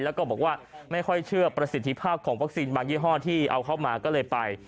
แล้วก็บอกว่าไม่ค่อยเชื่อประสิทธิภาพของวัคซีนบางยี่ห้อที่เอาเข้ามาก็เลยไป